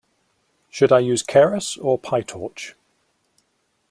Should I use Keras or Pytorch?